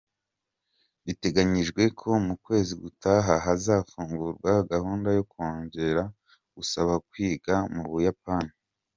Biteganyijwe ko mu kwezi gutaha, hazafungurwa gahunda yo kongera gusaba kwiga mu Buyapani.